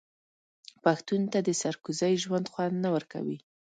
پښتون ته د سرکوزۍ ژوند خوند نه ورکوي.